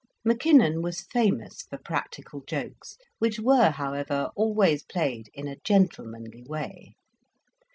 Mackinnon was famous for practical jokes; which were, however, always played in a gentlemanly way.